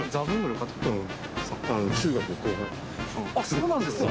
そうなんですか？